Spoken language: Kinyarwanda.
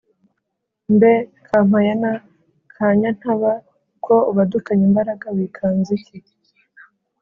mbe kampayana ka nyantaba ko ubadukanye imbaraga, wikanze iki’